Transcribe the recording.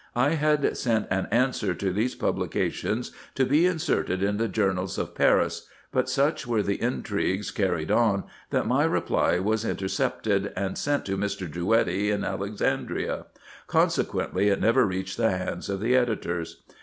I had sent an answer to these publications to be inserted in the journals of Paris, but such were the intrigues carried on, that my reply was intercepted, and sent to Mr. Drouetti, in Alexandria ; consequently it never reached the hands of the editors.